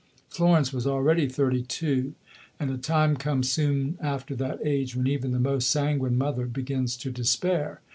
Florence was already thirty two; and a time comes soon after that age when even the most sanguine mother begins to despair.